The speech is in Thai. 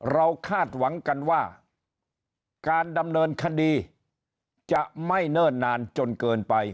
คาดหวังกันว่าการดำเนินคดีจะไม่เนิ่นนานจนเกินไป